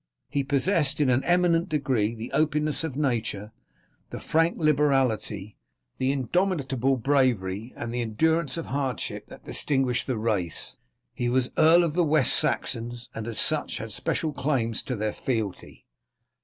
He possessed in an eminent degree the openness of nature, the frank liberality, the indomitable bravery, and the endurance of hardship that distinguished the race. He was Earl of the West Saxons, and as such had special claims to their fealty.